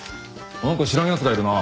何か知らんやつがいるな。